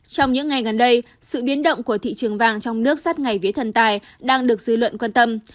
trong những ngày gần đây sự biến động của thị trường vàng trong nước sát ngày vía thần tài đang được dư luận quan tâm